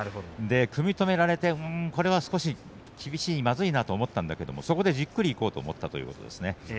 組み止められてこれは少し厳しいまずいなと思ったんだけれどもそこでじっくりいこうと思ったということです。